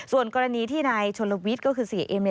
ส่วนกรณีที่นายชนลวิทย์ก็คือเสียเอ็ม